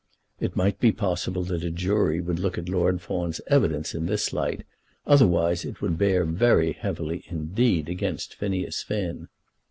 It might be possible that a jury would look at Lord Fawn's evidence in this light; otherwise it would bear very heavily, indeed, against Phineas Finn.